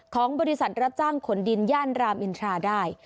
ของบริษัทรับจ้างขนดินย่านรามอินทราได้